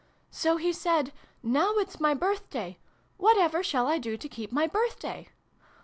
"So he said ' Now it's my Birthday. Whatever shall I do to keep my Birthday